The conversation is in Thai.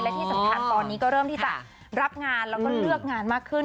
และที่สำคัญตอนนี้ก็เริ่มที่จะรับงานแล้วก็เลือกงานมากขึ้น